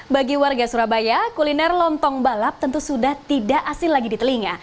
bagi warga surabaya kuliner lontong balap tentu sudah tidak asing lagi di telinga